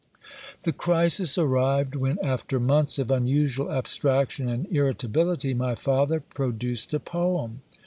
The crisis arrived, when, after months of unusual abstraction and irritability, my father produced a poem.